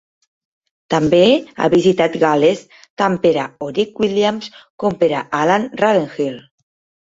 També ha visitat Gal·les tant per a Orig Williams com per a Alan Ravenhill.